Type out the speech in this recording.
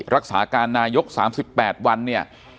รักษาการนายก๓๘วันเนี่ย